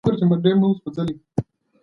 آیا ته په مورنۍ ژبه لیکل او لوستل کولای سې؟